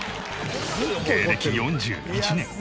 芸歴４１年！